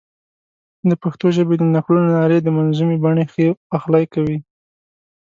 د پښتو ژبې د نکلونو نارې د منظومې بڼې ښه پخلی کوي.